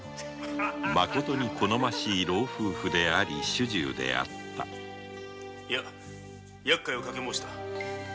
まことに好ましい老夫婦であり主従であったとんだやっかいをかけ申した。